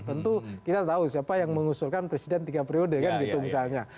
tentu kita tahu siapa yang mengusulkan presiden tiga periode kan gitu misalnya